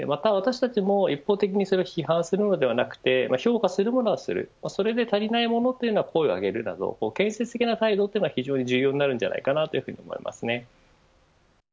また私たちも一方的にそれを批判するのではなくて評価するものはするものはするそれで足りないものというのは声を上げるなど建設的な態度というのが、非常に重要になるんじゃないかなと思います。